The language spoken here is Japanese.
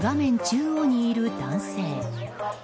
中央にいる男性。